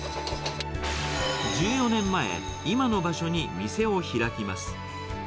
１４年前、今の場所に店を開きます。